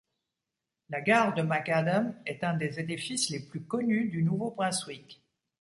La gare de McAdam est un des édifices les plus connus du Nouveau-Brunswick.